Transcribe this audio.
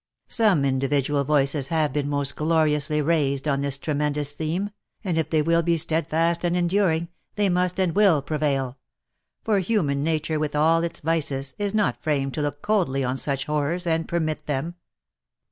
Some individual voices have been most gloriously raised on this tremendous theme, and if they will be steadfast and enduring, they must and will prevail — for human na ture, with all its vices, is not framed to look coldly on such horrors, and permit them.